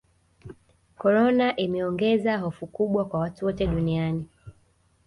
korona imeogeza hofu kubwa kwa watu wote duniani